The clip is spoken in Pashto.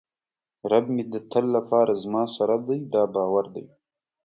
رب مې د تل لپاره زما سره دی دا باور دی.